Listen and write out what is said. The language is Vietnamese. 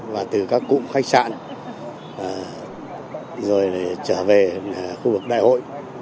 và từ các cụm khách sạn rồi trở về khu vực đại hội